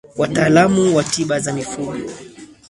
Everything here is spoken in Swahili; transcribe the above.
Wataalamu wa tiba za mifugo